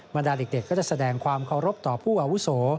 มาดาลิกเด็กก็จะแสดงความขอรบต่อผู้อาวุโส